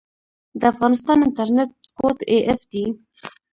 د افغانستان انټرنیټ کوډ af دی